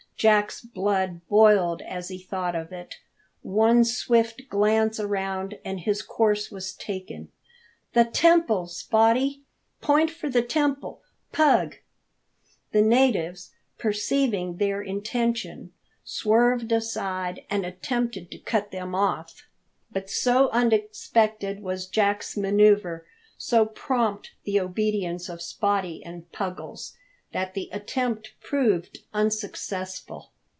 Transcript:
Jack's blood boiled as he thought of it. One swift glance around, and his course was taken. "The temple, Spottie! Point for the temple, Pug!" The natives, perceiving their intention, swerved aside and attempted to cut them off. But so unexpected was Jack's manouvre, so prompt the obedience of Spottie and Puggles, that the attempt proved unsuccessful.